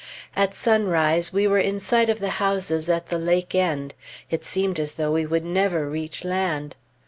At sunrise we were in sight of the houses at the lake end. It seemed as though we would never reach land.